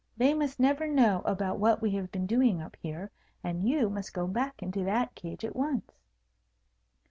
They must never know about what we have been doing up here; and you must go back into that cage at once."